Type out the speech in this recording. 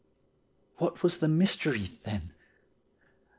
What was the mystery, then?